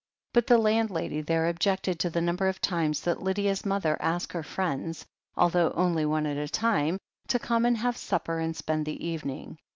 But the landlady there objected to the number of times that Lydia's mother asked her friends, although only one at a time, to come and have supper and spend the evening.